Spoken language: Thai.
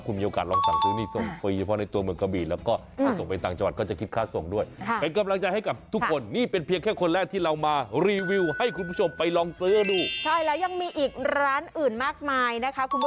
คุณมีโอกาสลองสั่งซื้อนี่